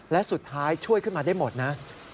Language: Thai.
และสุดท้ายช่วยขึ้นมาได้หมดนะ